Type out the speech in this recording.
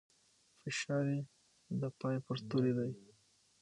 فشار يې د پای پر توري دی.